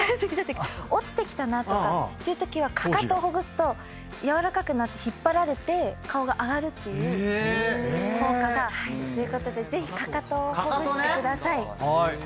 落ちてきたなとかっていうときはかかとをほぐすと軟らかくなって引っ張られて顔が上がるっていう効果が。ということでぜひかかとをほぐしてください。